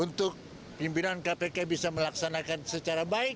untuk pimpinan kpk bisa melaksanakan secara baik